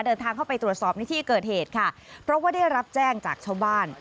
เดินทางเข้าไปตรวจสอบในที่เกิดเหตุค่ะเพราะว่าได้รับแจ้งจากชาวบ้าน